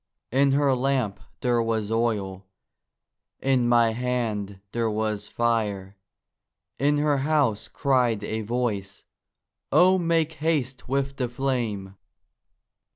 In her lamp there was oil, in my hand there was fire; In her house cried a voice, 'O make haste with the flame!